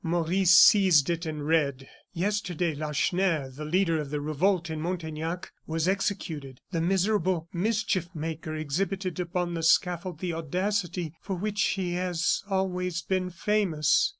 Maurice seized it and read: "Yesterday, Lacheneur, the leader of the revolt in Montaignac, was executed. The miserable mischief maker exhibited upon the scaffold the audacity for which he has always been famous."